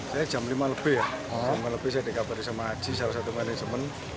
saya jam lima lebih ya sama lebih saya dikabarin sama haji salah satu manajemen